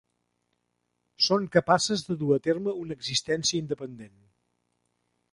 Són capaces de dur a terme una existència independent.